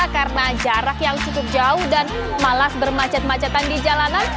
karena jarak yang cukup jauh dan malas bermacet macetan di jalanan